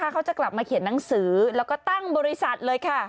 เขาจะกลับมาเขียนหนังสือแล้วก็ตั้งบริษัทเลยค่ะ